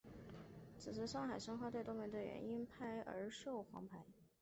此时上海申花队的多名队员因为被主裁判赵亮认为利用拖延时间的战术而领受黄牌。